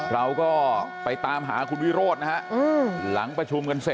ผมขออนุญาตหารือท่านประธานนิดนึงครับ